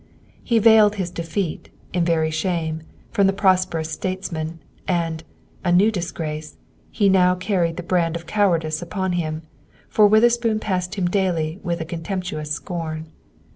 He veiled his defeat, in very shame, from the prosperous statesman, and, a new disgrace, he now carried the brand of cowardice upon him, for Witherspoon passed him daily with a contemptuous scorn.